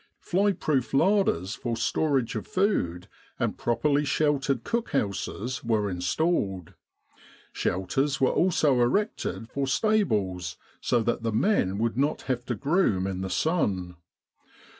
Fly proof larders for storage of food, and properly sheltered cook houses, were installed; shelters were also erected for stables, so that the men would not have to groom in the sun.